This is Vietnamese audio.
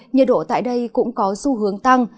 nhiệt độ tại đây cũng có xu hướng tăng